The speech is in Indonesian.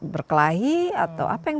berkelahi atau apa yang